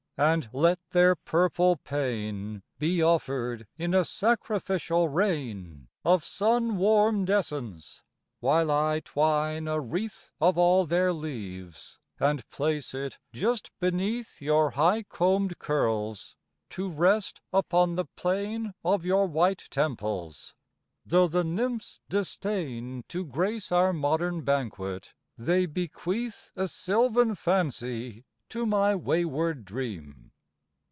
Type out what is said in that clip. and let their purple pain Be offered in a sacrificial rain Of sun warmed essence; while I twine a wreath Of all their leaves, and place it just beneath Your high combed curls, to rest upon the plain Of your white temples: though the Nymphs disdain To grace our modern banquet, they bequeath A sylvan fancy to my wayward dream.